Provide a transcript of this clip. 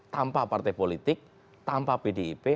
tanpa partai politik tanpa pdip